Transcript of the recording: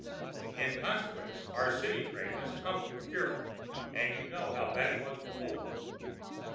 In consequence, our city trade has tumbled fearfully—and you know how bad it was before.